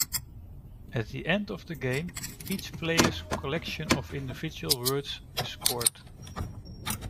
At the end of the game each player's collection of individual words is scored.